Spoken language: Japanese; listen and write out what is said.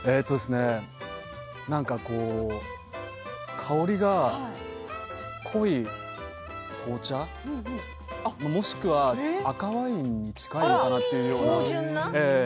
香りが濃い紅茶もしくは赤ワインに近いのかな？というような。